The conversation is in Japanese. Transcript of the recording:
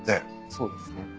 そうですね。